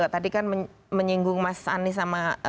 tadi kan menyinggung mas anies sama